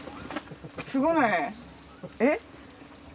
すごい！えっ？